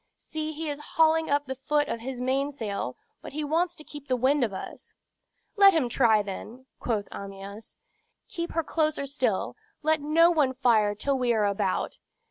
"See, he is hauling up the foot of his mainsail; but he wants to keep the wind of us." "Let him try, then," quoth Amyas. "Keep her closer still. Let no one fire till we are about.